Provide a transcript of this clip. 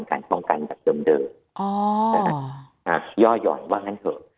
ป้องกันแบบเดิมย่อหย่อนว่างั้นเถอะ